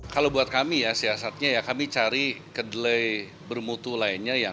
kalau buat kami siasatnya kami cari kedelai bermutu lainnya